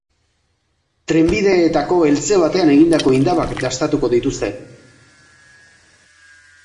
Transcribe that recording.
Trenbideetako eltze batean egindako indabak dastatuko dituzte.